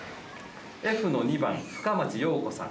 Ｆの２番深町ようこさん。